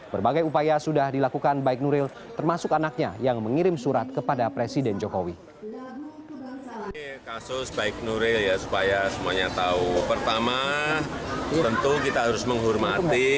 berbagai upaya sudah dilakukan baik nuril termasuk anaknya yang mengirim suatu penjara